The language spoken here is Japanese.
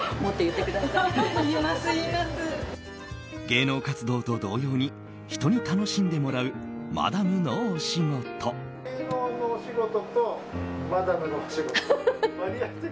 芸能活動と同様に、人に楽しんでもらうマダムのお仕事。